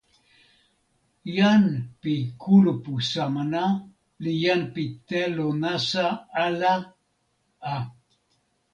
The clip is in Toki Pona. jan pi kulupu Samana li jan pi telo nasa ala a.